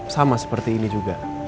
sama seperti ini juga